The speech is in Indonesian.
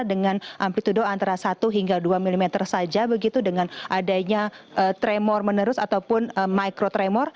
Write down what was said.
dengan amplitude antara satu hingga dua mm saja begitu dengan adanya tremor menerus ataupun microtremor